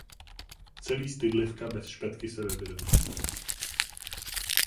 Celý stydlivka bez špetky sebevědomí.